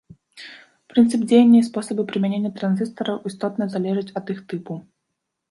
Прынцып дзеяння і спосабы прымянення транзістараў істотна залежаць ад іх тыпу.